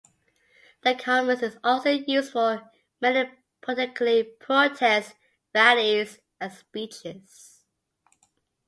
The Commons is also used for many politically protests, rallies, and speeches.